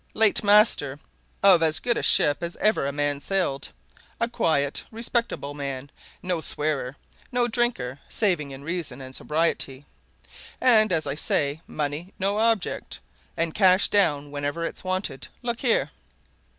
Late master of as good a ship as ever a man sailed. A quiet, respectable man. No swearer. No drinker saving in reason and sobriety. And as I say money no object, and cash down whenever it's wanted. Look here!"